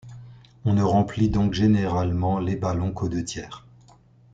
On ne remplit donc généralement les ballons qu’aux deux tiers.